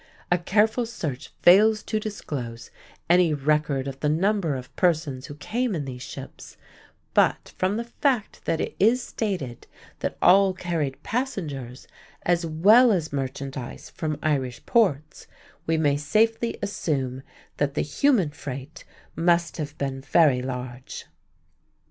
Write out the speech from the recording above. A careful search fails to disclose any record of the number of persons who came in these ships, but, from the fact that it is stated that all carried passengers as well as merchandise from Irish ports, we may safely assume that the "human freight" must have been very large.